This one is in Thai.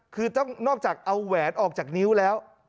คือต้องนอกจากเอาแหวนออกจากนิ้วแล้ว